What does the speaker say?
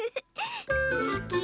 すてき！